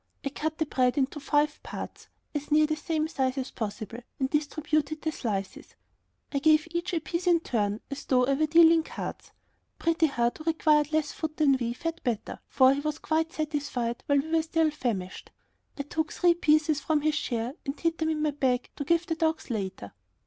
I cut the bread into five parts, as near the same size as possible, and distributed the slices. I gave each a piece in turn, as though I were dealing cards. Pretty Heart, who required less food than we, fared better, for he was quite satisfied while we were still famished. I took three pieces from his share and hid them in my bag to give the dogs later.